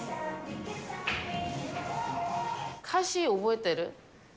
歌詞覚えてる？